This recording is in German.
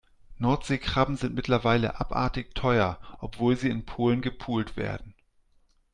Nordseekrabben sind mittlerweile abartig teuer, obwohl sie in Polen gepult werden.